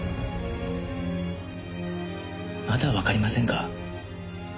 まだわかりませんか？